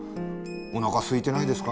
おなかすいてないですか？」